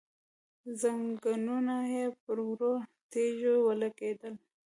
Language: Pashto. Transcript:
ځنګنونه يې پر وړو تيږو ولګېدل،